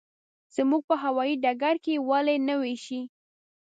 زموږ په هوايي ډګر کې یې ولې نه وېشي.